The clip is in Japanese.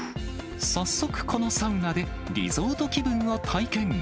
早速このサウナで、リゾート気分を体験。